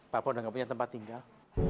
papa udah nggak punya tempat tinggal